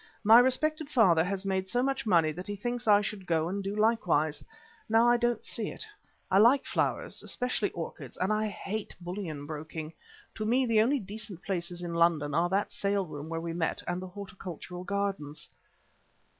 My respected father has made so much money that he thinks I should go and do likewise. Now, I don't see it. I like flowers, especially orchids, and I hate bullion broking. To me the only decent places in London are that sale room where we met and the Horticultural Gardens."